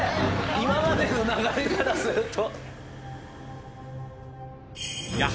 今までの流れからすると。